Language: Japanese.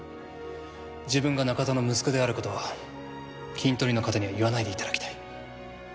自分が中田の息子である事はキントリの方には言わないで頂きたい。